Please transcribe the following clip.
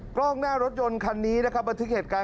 กล้องหน้ารถยนต์คันนี้นะครับบันทึกเหตุการณ์